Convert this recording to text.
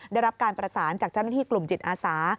ได้รับการประสานจากเจ้าหน้าที่กลุ่มจิตอาสา